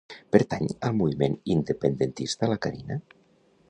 Pertany al moviment independentista la Carina?